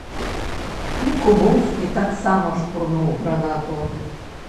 Якубоўскі таксама шпурнуў гранату.